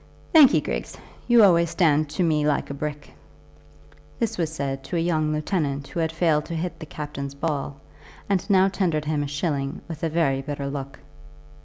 Thank 'ee, Griggs; you always stand to me like a brick." This was said to a young lieutenant who had failed to hit the captain's ball, and now tendered him a shilling with a very bitter look.